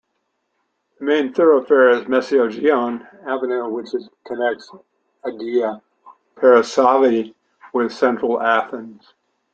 The main thoroughfare is Mesogeion Avenue, which connects Agia Paraskevi with central Athens.